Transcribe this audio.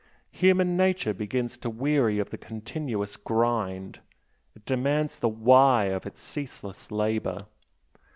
Human nature begins to weary of the continuous 'grind' it demands the 'why' of its ceaseless labour.